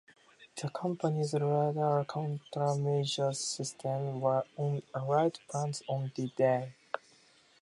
The company's radar counter-measure systems were on allied planes on D-Day.